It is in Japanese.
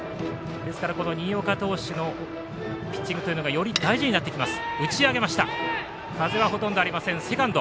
ですから、この新岡投手のピッチングというのがより大事になってきます。